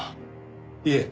いえ。